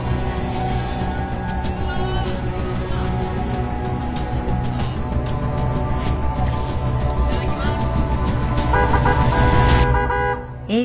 いただきます！